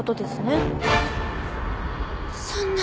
そんな。